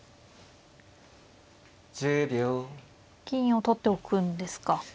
金を取っておくんですか。